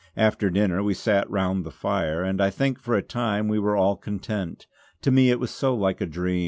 After dinner we sat round the fire, and I think for a time we were all content. To me it was so like a dream.